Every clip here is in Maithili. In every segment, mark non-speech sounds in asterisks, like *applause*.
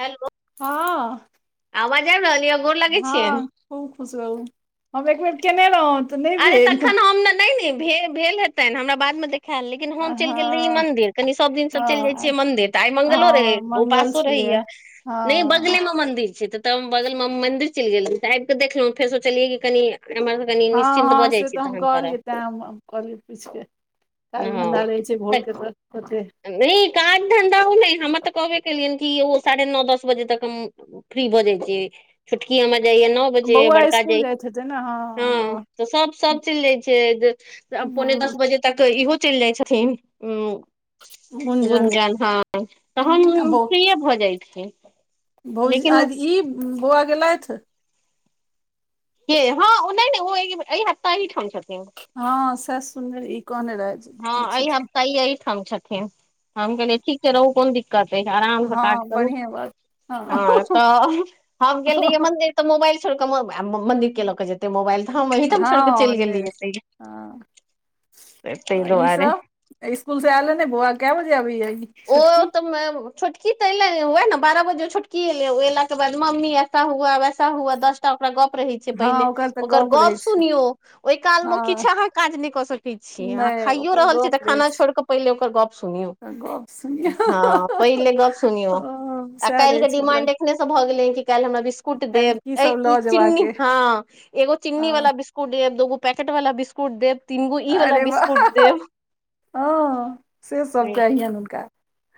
हेलो हँ आवाज आबि रहल य हँ खूब खुश रहू हम एक बेर केने रहू अरे तखन हम ने नहि ने भेल हेतै हमरा बाद मे देख। देखाएल लेकिन हम हँ चलि गेल रही इ मंदिर कनी सब दिन से चलि जाय छियै हँ मंिर तऽ आई मंगलो रहे। हँ मंगल उपासो छलैए रहैया नहि हँ बगले मे मंन्दिर छै तऽ। तऽ बगल मे मंदिर चलि गेले तऽ आब केे देखलों फेर सोचलियै कनि एमर कनि। हँ निश्चिन्त भऽ हँ जाइ से छी तऽ हम तहन करब कहलियै तैं कहलियै पूछिके। काज धन्धा हँ लै छै तऽ भोरकेै। नहि काज धन्धा ओ नहि हमरा तऽ कहबे केलियनि कि ओ साढ़े नओ दस बजे तक। फ्री भऽ जाइ छी छुटकी हम जाइय नओ बजेए बौआ बड़का स्कुल जाइ जाइत हेतै ने हँ। बौआ तऽ सब सब चलि जाइ छै पौने दस हँ बजे। तक इहो चलि जाइ छथिन उ। गुंजन गुञजन हँ तऽ हम्म, आ हम बौ फ्री भऽ जाइ छी। भौजी लेकिन आज ई बौआ गेलथि हँ नहि ने ओ हप्ता ही ठाम छथिन। हँ से सुनि ई कहने रहै हँ अय हप्ता ई एहिठाम छथिन हम कहलियै ठीक छै रहू कोन दिक्क। त आराम से काज हँ करू बढ़िएँ बात हँ तऽ हम गेल रहियै मन्दिर। तऽ मोबाइल छोड़ कऽ मन्दिर के लऽ के जेते मोबाइल तऽ हम वही तम छोड़िकऽ चलि गेली एते। ई दुआरे सब स्कूल से आ लेने बौआ के बजे आबै। ओ तऽ---मेम छोटकी तऽ एले वेह ने बारह बजे छोटकी एले उ एलाक के बाद मम्मी ऐसा हुआ वैसा हुआ दस ओकरा गप रहै छै। हँ पहिले तऽ ओकर रहै गप छै सुनियौ ओहि कालमे किछ हँ अहाँ काज नहि कऽ सकै छी अहाँ नहि खाइयो ओकर रहल छी। गप तऽ रहै खाना छै छोड़ि कऽ पहिल ओकर गप सुनियौ ओकर गप सुनियौ हँ पहिले गप सुनियौ ओ आ सएह काल्हि रहै के छै ओकरा डिमांड एखने से भऽ गेलैह कि काल्हि हमरा बिस्कुट काल्हि देब अई सब की लऽ जेबाक चिन्नी अइ हाॅं, एगो चिन्नी हँ वाला बिस्कुट देब दोगो पैकेट वाला बिस्कुट देब तीनगो ई वला अरे वाह बिस्कुट देब हँ हॅं से सब चाहियनि हुनका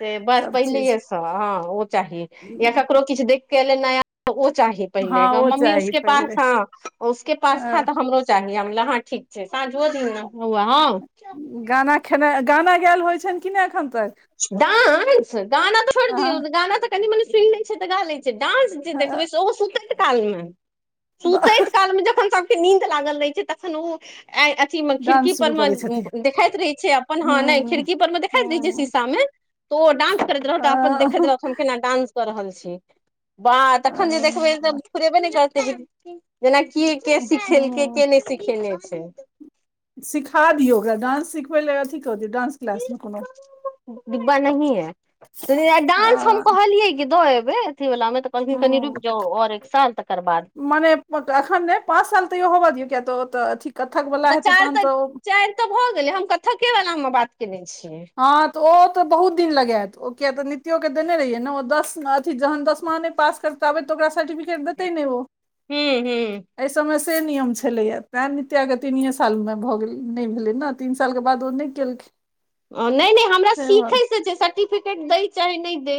ते बस सब चीज पहिलेये स हँ ओ चाही या ककरो किछ देख के एले नया त ओ चाही हँ पहिले ओ मम्मी चाही उसके पहिले पास हँ, उसके पास हं हँ तऽ हमरो चाही हम कहलियै हँ ठीक छै साँझो दिन ने ह उ गाना खेनाइ गाना गेयल होइ छनि कि नय एखन तक डांस गाना तऽ छोड़ि दियौ गाना तऽ कनि मनि सुनि लै छै तऽ गा लै डांस जे अहाँ देखबै से ओ सुतति काल मे सुतति काल मे जखन सबके नींद लागल रहै छै तखन उ की म खिड़की डांस पर शुरू मे करै छथिन देखाइत रहै छै अपन हँ, नय हूँ खिड़की पर मे देखाइत रहै छै हूँ शीशा मे तो ओ डांस करति रहौ त अपन देखति रहथुन केना डांस क रहल छै बाह तखन जे देखबै तऽ फुरेबे नय करतै जेनाकि के सिखेलकै हूँ के नय सिखेने छै सिखा दियौ ओकरा डांस सिखबै लेल अथी कऽ दियौ डांस क्लास मे कोनो डिब्बा नहि यै डांस हम हँ कहलियै कि दऽ एबै अथी वला मे तऽ क कनी हूँ रुकि जाउ और एक साल तकर बाद मने अखन नय पाँच साल तैयो होबऽ दियौ किया तऽ ओ तऽ अथी कत्थक वला तऽ हेतै चारि तहन तऽ ओ चारि तऽ भऽ गेलै हम कत्थके वला मे बात केने छियै हँ तऽ ओहो तऽ बहुत दिन लगेऽत ओ किया तऽ निथियो के देने रहिये ने ओ दस अथी जहन दसमा नय पास कर ताबे तो ओकरा सर्टफिकेट देतै नय ओ हूँ हूँ अइ समे से नियम छलैया तैं नित्थया के तीनिये साल मे भऽ गेल नय भेलै न तीन साल के बाद ओ नय केलखिन नय नय हमरा सीखै से छै सर्टिफिकेट दै चाहे नय दै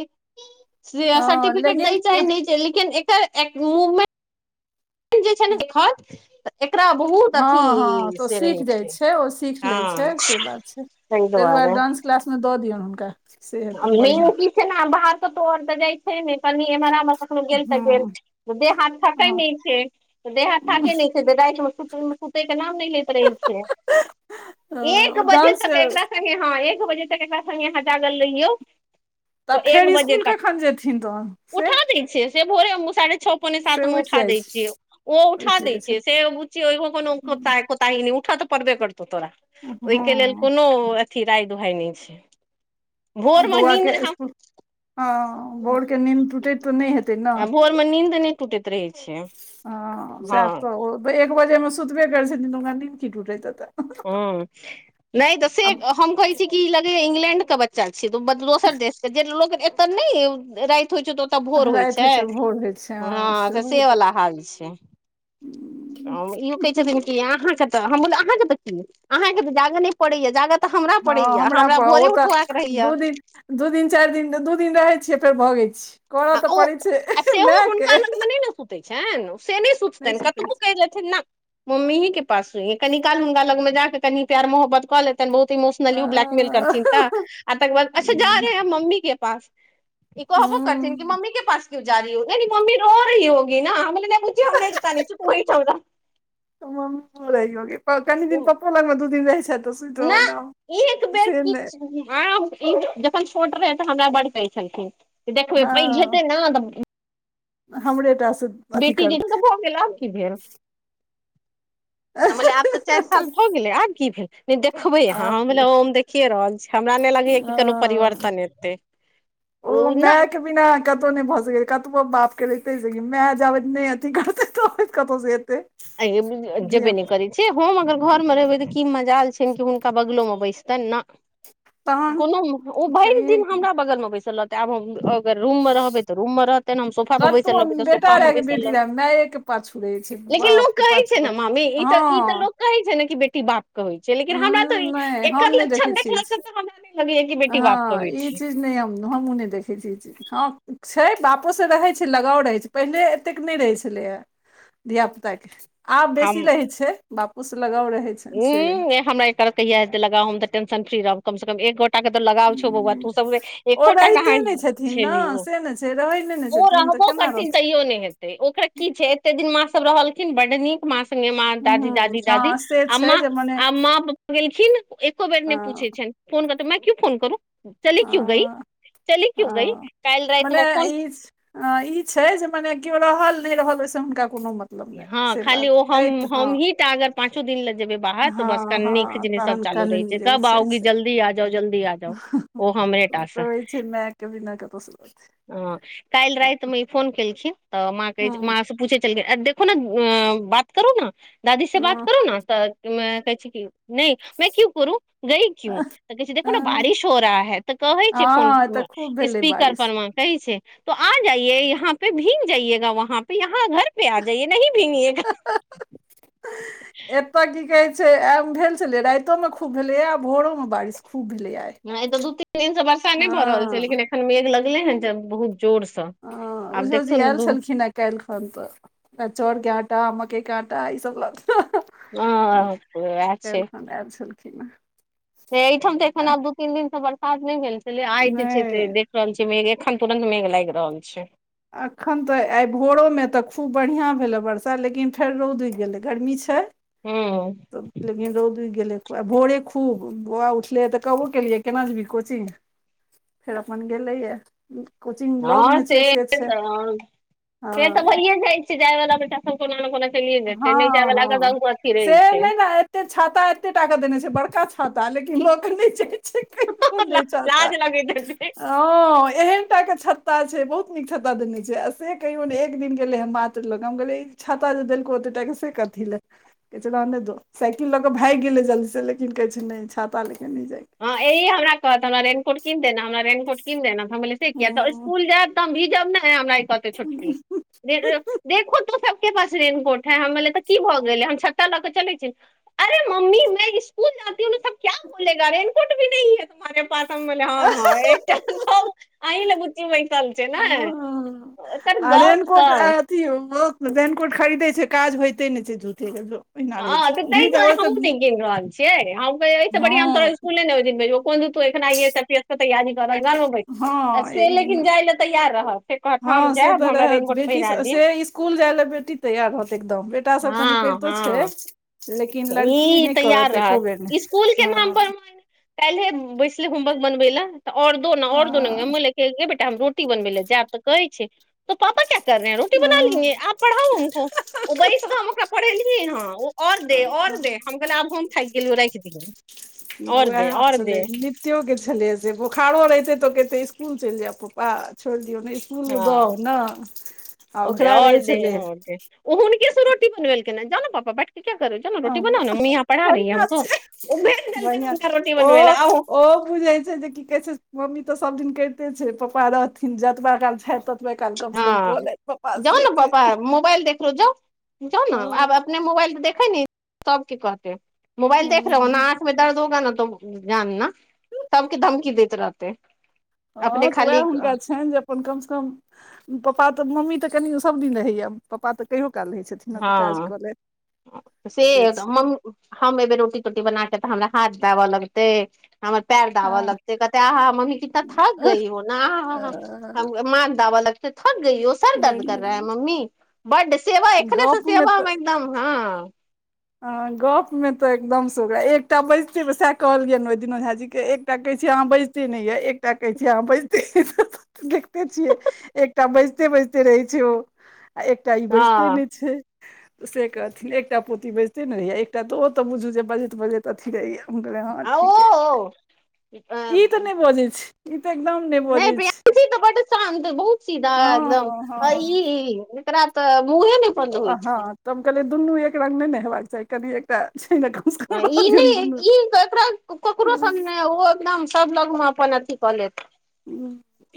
से हँ सर्टिफिकेट लेकिन दै चाहे नय चै लेकिन एकर मूवमेंट जे छै ने देखत एकरा बहुत अथी हँ हँ तऽ ओ से रहै सीख जाइ छै ओ सीख लै हँ छै तै दुआरे क्लास मे दऽ दियौन हुनका से हेतनि बढ़िआँ मेन की छै न बाहर कतो आर तऽ जाइ छै ने तनी एमहर आमहर कखनो गेल तऽ गेल हँ त देह हाथ छकयि हँ नय छै तऽ देहाथ थकै नय छै रातिमे सुत सुतय के नाम नय लति रहै छै एक अ, बजे डांस तक एकरा संगे हँ एक बजे तक एकरा सङ्गे अहाँ जागल रहियौ तऽ एक फेर बजे इसकुल तक कखन जेथिन तहन से उठा दै छियै से भोरे हम साढ़े छौ पौने से सातमे उठि उठा जाइ दै छै छियै ओ उठि उठा दै जाइ छै से बुझ ओहि *unintelligible* ताहि नहि उठऽ तऽ पड़बे करतौ तोरा ओहिके लेल हँ कोनो अथी राय दुहाय नय छै भोरमे बौआके नींद इसकुल हँ भोरके नीन्द टूटति तऽ नय हेतै न हमर नीन्द नय टूटति रहै छै हँ ओएक बजेऐहेतै सुतबे करैतहेतै। तओकरा निदकी टूटेत हेतै- हँ नहि तऽ से आब हम कहै छी कि लगैय इंग्लैंड के बच्चा चल छी। दोसर देशके जे लोक एतऽ नहि राईत होइत छैय त भोर होइ राति छै। भोर होइ छै हँ त सेहो से हेतै वला हाल छै। इहो कहै छथिन हँ कि अहाँके कि तऽ अहाँके जाग नहि पड़ैय जाग उठो तऽ हमरा हमरा पड़ैयेहमरा ओ भोरे तऽ उठबाक के दू रहैये दिन दू दिन चारि दिन दू दिन रहैत छियै फेर भगैत छियै करय आ तऽ पड़ैत छै मायके। सुतैछैन से नहि सुततैन सुतै कतबो छै कहि देथिन ना मम्मी ही के पासमे कनि काल हुनका लग मे जाक कनि प्यार मोहबत कऽ ले तैनि बहुत इोमोश नली ब्लैकमेल करथिन हँ तऽ जारहे हैं मम्मी के पास तकर बाद अच्छा जा रहे हैं मम्मी के पास ई कहबो करथिन कि मम्मी मम्मी के पास क्यों जा रही हो कहय मम्मी रो रही होगी न हम कहलियै नै बुच्ची हम नै कानय छी ओहि ठाम रह। कनि दिन रह पप्पो लागमे दू दिन रहै जयतौं ना एक बेर किछु आराम जखन छोट रहय त हमरा बड्ड कहै छलखिन देखबेबै पैघ हँ हेतै न त हमरे टा सँ बेटी जीद भऽ गेल आब की भेल हम कहलियै आबकिभेल तकहलियनह चारि साल भऽ गेलै आब की भेल नहि देखबै अहाँ आब हम की ओ हम देखिए रहल छीय हमरा नहि लगैया हँ कि कोनो परिवर्तन हेतैय ओ नय माय के बिना कतहु नहि भऽ सकै कतबो बाप केेे माय आब अथी करते तब कतहु से हेतै आइ इब ब जेबै धिया नहि करय छि छै हम अगर घरमे रहबै तऽ की मजाल छनि कि हुनका बगलोमे बैसतनि ना। तहन ओ भरि छैहे दिन की हमरा बगलमे बैसल रहतै आब हम अगर रूममे रहबै तऽ रूममे रहतै। तहन हम सोफा पर बैसल रहबै तऽ सोफा पर मे बैसल रहतै मैए के पाछू रहय छै। लेकिन लोक बापके कहय छै पाछू ने मामी ई तऽ ई तऽ हँ लोक कहै छै ने कि बेटी बाप कहै छै उ लेकिन हमरा तऽ नहि हम एकर नहि लक्षण देखै छियै देखला से त हमरा सभैके बेटी बापके होइ छै। नियम हमहु नहि देखै छीयै हँ छै बापोसँ रहय छै लगाव रहय छै पहिले एतेक नहि रहैत छलैए धिया पुता के आब बेसी हम रहै छै बापोसँ लगाव रहै छै। छनि से रहै हमरा एकर कहिया हेतै लगाव हम त टेंशन फ्री रहब कम से कम एको एकोटा तऽ लगाव छौ बौआ हूँ तू सब जे ओ एकोटा कहाँ रहिते नहि छथिन ने छैलय ओ से ने छै रहै नहि ने ओ छथिन तऽ रहबो केना करथिन रहथिन तैयो नै हेतय ओकरा की छै एते दिन माँ सब रहलखिन बड्ड नीक माँ सब सङ्गे माँ दादी हूँ दादी हँ दादी से आ छै माँ जे मने आ माँ पपा गेलखिन एको बेर नहि अ पूछय छथिनह फोन कर त मैं क्यूं फोन करूं। चली क्यूं गई अ चली क्यूं गई काइल रातिमे फोन ल ई छै जे मने केओ रहल नहि रहल ओहिसँ हुनका कोनो मतल हँ ओ हम हमही टा अगर पाँचो दिन लए जेबै बाहर तऽ बस हँ कननी हँ खिजनी सब तहन चालू रहै कननी छै कब आओगी से जल्दी आ जाओ जल्दी आ जाओ कहै छै माइके बिना कतहु शांति नै हँ काल्हि राति मे ई फोन केलखिन तऽ माँ कहय माँ से पूछय छलखिन अ देखो ने‌ अ बात करो न दादी से बात हँ करो न तऽ वहए कहय छै कि नै मैं क्यूं करूं गई क्यूं तऽ कहय छै देखो नऽ हँ बारिश हो रहा है तऽ कहय छै फोन हँ, एतऽ खूब पर भेलै स्पीकर बारिश पर में कहय छै तो आ जाइए यहाँ पे भींग जाइएगा वहाँ पे यहाँ घर पे आ जाइए नहि भींगीएगा हा एतऽ की कहै भेल छलै रातिो मे खूब भेलैया आ भोरो मऽ बारिश खूब भेले आ ई तऽ दू तीन दिन से वर्षा नहि भऽ रहल छै लेकिन एखन मेघ लगले हँ बहुत जोर सऽ हँ ओझो जी आयल छलखिन हें कि कैल खन तऽ तें चाउरके आटा मकयके आटा ई सभ लऽ कऽ *unintelligible* वैह छै काल्हि खन आयल छलखिन हेँ हइ एहिठाम तऽ एखन आब दू तीन दिन से बरसात नहि भेल छलै आइ जे छै से नहि देख रहल छियै मेघ एखन तुरंत मेघ लागि रहल छै। एखन तऽ आइ भोरोमे तऽ खूब बढ़िआँ भेलै वर्षा लेकिन फेर रौद उगि गेलै गर्मी छै हूँ तऽ लेकिन रोद उग गेले भोरे खूब बौआ उठले तऽ कबो केलियै केना जेबही कोचिंग फेर अपन गेलेय कोचिंग लॉग मे छै से छै तऽ हँ फेर तऽ भइए जाइ छिय जायवला बेटा कोना कोना चेलिय जै छे नहि जाय हँ वला के दशगो अथी रहै छै एे छाता एते टाका देने छै बड़का छाता लेकिन लोक नहि छै कहियो *unintelligible* दै छाता लाज लगैत हेतै हँ एहेन टा के छत्ता छै बहुत नीक छत्ता देने छै आ से कहियो ने एक दिन गेले हऽ मात्र लग हम गेले छाता जे देलको ओतेटा से कथिै कह रहने दो साइकिल ल के भाग गेले जल्दी से लेकिन कहे छै नहि छाता ले के नहि जाय ह यह हमरा कहत हमराेननकोट कीन दे ने हमरा रेननकोट कीन दे नऽ हम से किया हँ स्कुल जायब तऽ हम भीजब ने हमरा ई कहते छोटकी देखो तो सबके पास रेननकोट है हम ले तऽ की भऽ गेल है हम छतता लऽ के चलै छी अरे मम्मी में स्कूल जाति हू सब क्य बोले रेन कोट भीहीै तुम्ारे पास हम हँ हँ एकटा अहिलऽ बुची बैसल छै ने हँ एकर आ गप रेननकोट सप अथी रेननकोट खरीदे छै काज होयइते ने छै झुठे कऽ जो ह तऽ तारे हमहुूं नै किन रहल छियै हम एहिस बढ़िया तो हँ इकुले नय ओ दिन भेजब तु अखन I S P C S कऽ तैयारी कऽ रहल छऽ घर मऽ बैठ हँ से एक दिन लेकिन जाइ लए तैयार रहत से कहत हम जायब हमरा रेंगगोट पहिरा दे स्कूल जाइ लए बेटी तैयार होत एकदम बेटा सब कनी हँ करितो छै हँ लेकिन लड़की ई नहि करत एको बेर ने हँ कालहि है बैसले होुमबर्क बनबै ल तऽ ओर दो न और दोन हँ ल गे बेटा हम रोटी बनबै लए जायब तऽ कहै छै तऽ पापा क्य कर रहे है रोटी बना लेंगे आप पढ़ाओ हमको ओ बैस पढ़ेलिय ह ओ आर दे और दे हम कहै आब हम थाकि गेलिय राखि दिय ओएह सले कतो के छले से बोखारो रहे छै तो कते स्सकुल चलि जाय पप्पा छोड़ दियौ ने स्कूल दऽ हँ ओ ने आ ओकरा रहै छलै ओनकसो रोटी बनबेल के जानो पापा बैठ क्य करू जानो रोटी बनाउ मम्मी यहाँ पढ़ा रही हैं बढ़िआँ हमको छै ओ भेज देलखिन बढ़िआँ हुनका रोटी ओ बनबै लए आउ ओ बुजै छै जे कि क कहै छै मम्मी तऽ सब दिन करिते छै पप्पा रहथिन जतबा काल छैथ कल कम से कम हँ कलै पपा जाउ से ने पापा मोबाइल देखलो जाउ - जाउ हँ नऽ आब अपने मोबाइल तऽ देखे नै सब केँ कहते मोबाइल देख रहे हो हूँ नऽ आँख मे दर्द होगा नऽ तो जानना सब केँ धमकी देैत रहते अपने हँ तऽ वैह खाली हुनका छैन जे अपन कम सँ कम पापा तऽ मम्मी तऽ कनियो सभ दिन रहै यऽ पापा तऽ कहियो काल रहै छथि हँ से म हम एबैय रोटी तोटी बना केँ तऽ हमरा हाथ दाबऽ लगतै हमर पैर धाबऽ हँ लगते कहते आ हा - हा मम्मी कितना थक गई हो नऽ आ हा - हा बढ़िया *unintelligible* बड्ड सेवा गप मे तऽ एकदाम हँ हँ गप मे तऽ एकदम सँ ओकरा एकटा बैसतै सैह कहलियनि ओ दिन झा जी केँ एक एकटा कहैत छियै अहाँ बजिते नय यऽ एकटा कहै छियै अहाँ बजिते यऽ *unintelligible* देखिते छियै एकटा बैजते बैसते रहै छै ओ आ एक टा ई बैजते हँ नय छै से कहथिन एकटा पोती बैज ते नय रहै यऽ एकटा तऽ ओ तऽ बुझू जे बाजैत बाजैत अथी रहै यऽ आओ ई तऽ नहि बजै छी नय प्रयांसी तऽ बडु शान्त बहुत सीधा हँ एकदम हँ आ ई एकरा तऽ मुहे नय बन्द होइ छै हँ तऽ हम कहलियै दुनू एक रंग नय नऽ हेबाक चाही कनि एकटा छै नऽ हँ ई नय ई तऽ एकरा ककरो हँ सँ नय ओ एकदम सभ लग मऽ अपन अथी कऽ लेत हुँ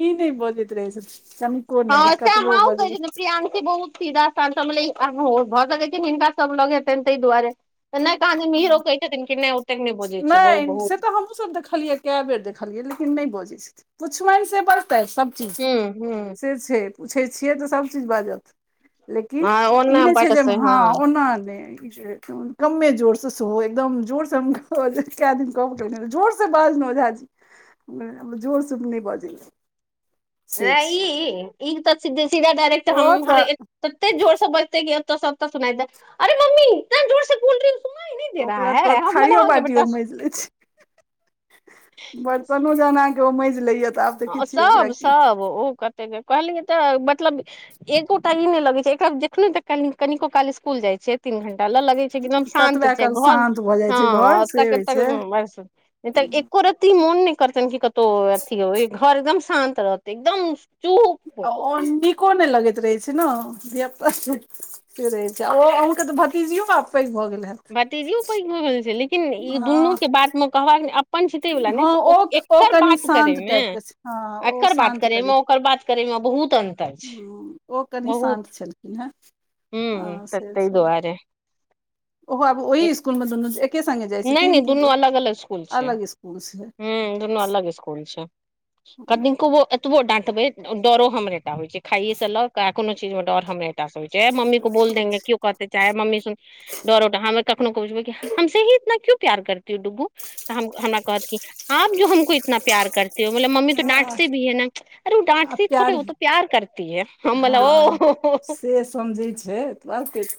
ई नय बजैत रहे छथिन कनि हँ तैय माँ ओ कहै छथिन प्रियंशी बहुत सीधा शान्त छै हम कहलियै अ हो भऽ सकै छै हिनका सब लग हेतैन तै दुआरे तऽ नय हिरो कहै छथिन कि नय ओतेक नय बजै छै ब - बहुत हमहुँ सब देखलियै केय बेर देखलियै लेकिन नय बजै छथिन पुछबै से बाजतैथ सब हूँ हूँ से छै पूछै छियै तऽ सभ चीज बाजत लेकिन हँ ई ओना नय छै जे बजतै हँ ओना नय कमे जोर सँ सेहो एकदम जोर से *unintelligible* कैय दिन कहबो कहलखित जोर सँ बाज न ओझाजी हम कहलियै जेड़ सँ नय बजै छै नय ई ई तऽ सिधे - सीधा डायरेक्ट ओ हमर तऽ ए तते जोर सँ बजतै की एतऽ सँ अतऽ सुनाइ दैत अरे मम्मी इतना जोर से बोल रही हूँ ओकरा तऽ थारियो बाटियो माइज लै छै बर्तनो जहन अहाँकेँ ओ माइज लैय तऽ आब देखै छियै ओकरा की ओ ओ कहतै जे कहलियै तऽ मतलब एगोटा ई नय लगै छै एकरा जेखने तऽ कनि कनिको काल इसकूल जाय छियै तीन घंटा लऽ रहैय छै की एकदम शान्त ततबे छै काल घर शान्त भऽ जाइ छै घर हँ से होइ छै *unintelligible* नय तऽ एको रती मोन नय करतैन कि कतहु अथी होइ घर एकदम शान्त रहत एकदम चूप आ ओ नीको नइ लगैत रहै छै नऽ धियापुता से रहे छै आ ओ आहुँ केँ तऽ भतीजियो आब पैघ भऽ गेल हैत भतिजियो पैघ भऽ गेल छै लेकिन ई दुनू हँ केँ बातमे कहबाक नय अपन छै तै वला नय हँ ओ ओ ए कर कनि बात करै शान्त मे टाइप के छै हँ ओ एकर बात शान्त करै मऽ ओकर बात करै मऽ बहुत अन्त हँ ओ कनी शान्त छलखिन हेँ हू हँ त से तै छल दुआरे ओहो आब ओहि स्कूल मे दुनू एके संगे जाय नहि नहि छथिन की दू अलग स्कुल छै ह त अलग स्कूल छै कनिकबो कतबो डांटबे डरो हमरेटा होय छै खाइये से ल क आ कोनो चीज मे डर हमरेटा से होय छै चाहे मम्मी को बोल ठीक देंगे क्यो कहते चाहे मम्मी सुन डरोमे कखनो को बुझब हमसे ही इतना क्यो प्यार करते हो डुबू तऽ हम हमरा कहत आप जो हमको इतना प्यार करते हो मतलब मम्मी तो छै डटे भी है न अरे ओ आ डाँटती थोड़े प्यार ओ त प्यार करती है हम बोल हँ ओ से समझै छै ब *inaudible*